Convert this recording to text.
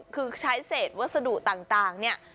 คือใช้เศษวัสดุต่างเนี่ย